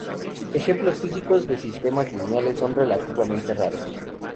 Ejemplos físicos de sistemas lineales son relativamente raros.